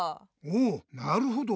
おおなるほど！